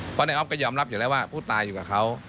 เพราะนายออฟก็ยอมรับอยู่แล้วว่าผู้ตายอยู่กับเขา